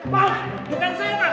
pak bukan saya pak